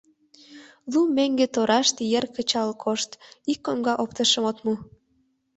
Лу меҥге тораште йыр кычал кошт — ик коҥга оптышым от му.